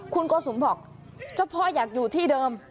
คุณโกสุมบอกเจ้าพ่ออยากอยู่ที่เดิม